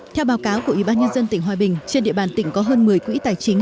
theo báo cáo của ủy ban nhân dân tỉnh hòa bình trên địa bàn tỉnh có hơn một mươi quỹ tài chính